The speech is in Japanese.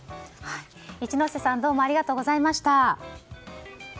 一之瀬さんどうもありがとうございました。